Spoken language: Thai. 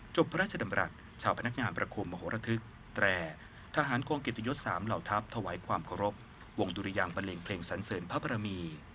พระราชดำรัฐชาวพนักงานประคมมโหระทึกแตรทหารกองเกียรติยศ๓เหล่าทัพถวายความเคารพวงดุรยางบันเลงเพลงสันเสริญพระบรมี